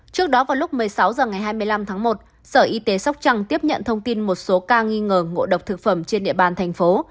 trước đó vào lúc một mươi sáu h ngày hai mươi năm tháng một sở y tế sóc trăng tiếp nhận thông tin một số ca nghi ngờ ngộ độc thực phẩm trên địa bàn thành phố